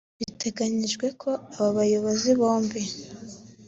Biteganyijwe ko aba bayobozi bombi